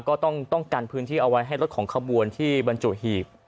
ก็ต้องกันพื้นที่เอาไว้ให้รถของขบวนที่บรรจุหีบ